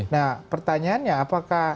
nah pertanyaannya apakah